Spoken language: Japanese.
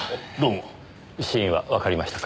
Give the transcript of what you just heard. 死因はわかりましたか？